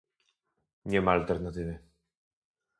"Nie ma alternatywy"